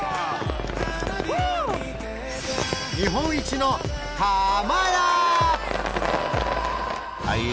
日本一のたまや！